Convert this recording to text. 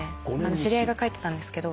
知り合いが書いてたんですけど。